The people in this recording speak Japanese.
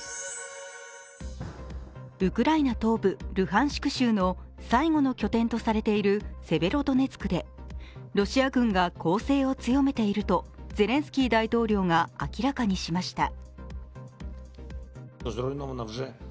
ウクライナ東部ルハンシク州の最後の拠点とされているセベロドネツクでロシア軍が攻勢を強めているとゼレンスキー大統領が明らかにしました。